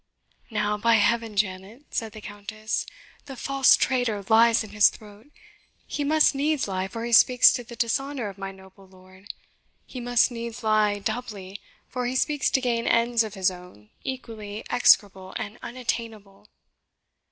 "Now, by Heaven, Janet!" said the Countess, "the false traitor lies in his throat! He must needs lie, for he speaks to the dishonour of my noble lord; he must needs lie doubly, for he speaks to gain ends of his own, equally execrable and unattainable."